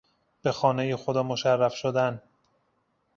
به خانهُ خدا مشرف شدن